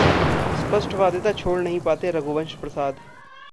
स्पष्टवादिता छोड़ नहीं पाते रघुवंश प्रसाद